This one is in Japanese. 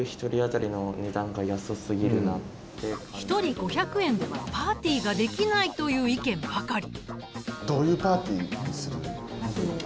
一人５００円ではパーティーができないという意見ばかり。